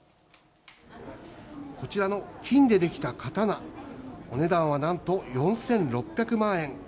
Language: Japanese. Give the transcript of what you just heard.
こちらの金で出来た刀、お値段はなんと４６００万円。